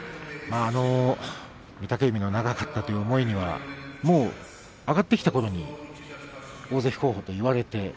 御嶽海の長かったという思いには上がってきたころに大関候補と言われて。